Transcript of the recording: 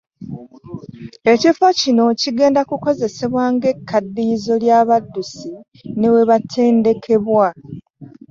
Ekifo kino kigenda kukozesebwa ng'ekkaddiyizo ly'abaddusi ne webatendekebwa.